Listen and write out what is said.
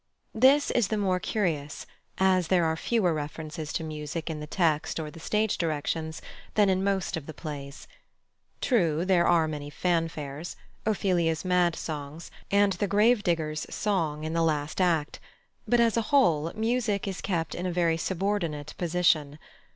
This is the more curious, as there are fewer references to music in the text or the stage directions than in most of the plays. True, there are many fanfares, Ophelia's mad songs, and the gravedigger's song in the last act; but, as a whole, music is kept in a very subordinate position.